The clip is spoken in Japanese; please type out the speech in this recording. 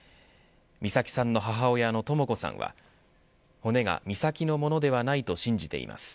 美咲さんの母親のとも子さんは骨が美咲のものではないと信じています